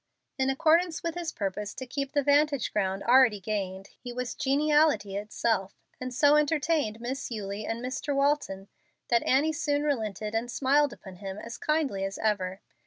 In accordance with his purpose to keep the vantage ground already gained, he was geniality itself, and so entertained Miss Eulie and Mr. Walton that Annie soon relented and smiled upon him as kindly as ever.